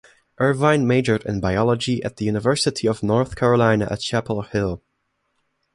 Irvine majored in biology at the University of North Carolina at Chapel Hill.